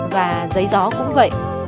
và giấy gió cũng vậy